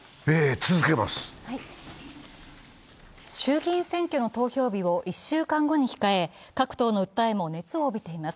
衆議院選挙の投票日を１週間後に控え、各党の訴えも熱を帯びています。